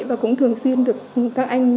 và cũng thường xuyên được các anh